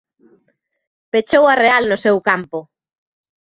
Pechou a Real no seu campo.